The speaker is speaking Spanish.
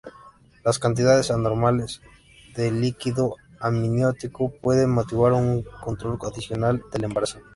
Las cantidades anormales de líquido amniótico pueden motivar un control adicional del embarazo.